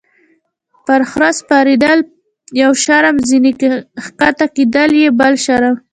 - پر خره سپرېدل یو شرم، ځینې کښته کېدل یې بل شرم.